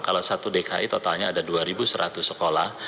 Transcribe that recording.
kalau satu dki totalnya ada dua seratus sekolah